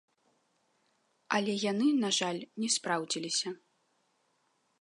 Але яны, на жаль, не спраўдзіліся.